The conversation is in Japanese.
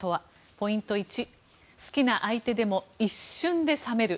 ポイント１好きな相手でも一瞬で冷める。